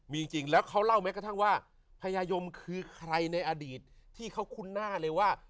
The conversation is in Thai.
มีจริงแล้วเขาเล่าแม้กระทั่งว่าพญายมคือใครในอดีตที่เขาคุ้นหน้าเลยว่า